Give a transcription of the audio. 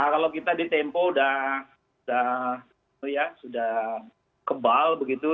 kalau kita di tempo sudah kebal begitu